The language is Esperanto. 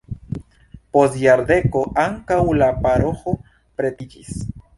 Post jardeko ankaŭ la paroĥo pretiĝis.